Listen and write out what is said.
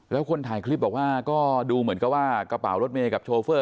แล้วคนถ่ายคลิปบอกว่าก็ดูเหมือนกับว่ากระเป๋ารถเมย์กับโชเฟอร์